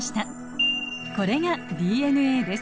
これがＤＮＡです。